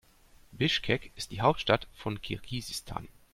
Bischkek ist die Hauptstadt von Kirgisistan.